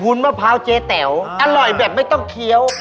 มะพร้าวเจ๊แต๋วอร่อยแบบไม่ต้องเคี้ยว